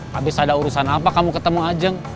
habis ada urusan apa kamu ketemu ajeng